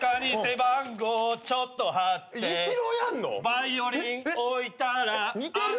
「バイオリン置いたら」似てる？